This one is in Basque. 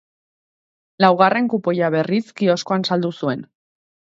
Laugarren kupoia, berriz, kioskoan saldu zuen.